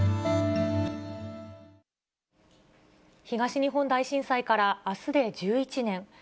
東日本大震災からあすで１１年。